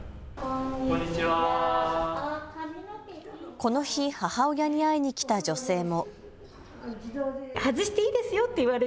この日、母親に会いに来た女性も。